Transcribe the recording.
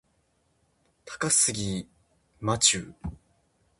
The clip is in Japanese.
高杉真宙